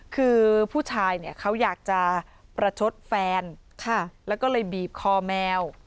คือผู้ชายเนี่ยเขาอยากจะประชดแฟนแล้วก็เลยบีบคอแมว